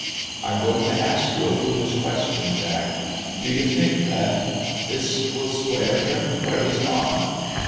" I'm going to ask you a foolish question, Jack. Do you think that this will square him where he's gone